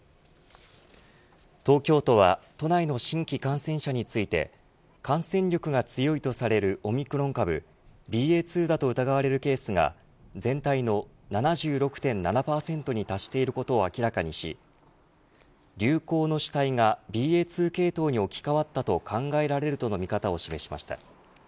東京都は都内の新規感染者について感染力が強いとされるオミクロン株ＢＡ．２だと疑われるケースが全体の７６．７％に達していることを明らかにし流行の主体がＢＡ．２系統に置き換わったと考えられるとの見方を示しました。